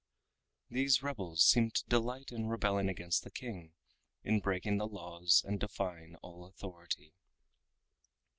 These rebels seemed to delight in rebelling against the King, in breaking the laws and defying all authority.